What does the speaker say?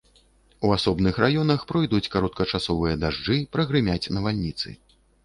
У асобных раёнах пройдуць кароткачасовыя дажджы, прагрымяць навальніцы.